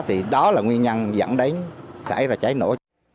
thì đó là nguyên nhân dẫn đến xảy ra cháy nổ